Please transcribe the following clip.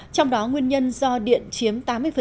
trong đó nguyên nhân do điện chiếm tám mươi